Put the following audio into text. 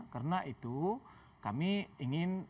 karena itu kami ingin